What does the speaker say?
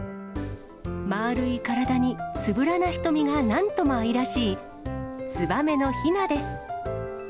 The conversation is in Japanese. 丸い体につぶらな瞳がなんとも愛らしい、ツバメのヒナです。